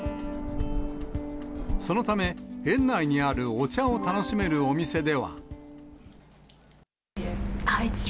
そのため、園内にあるお茶を楽しめるお店では。